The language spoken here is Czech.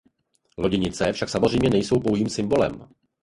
Loděnice však samozřejmě nejsou pouhým symbolem.